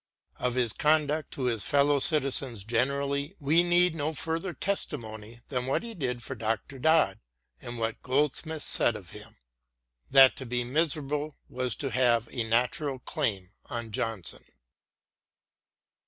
Of his conduct to his fellow citizens generally we need no further testimony than what he did for Dr. Dodd and what Goldsmith said of him — that to be miserable was to have a natural claim on Johnson.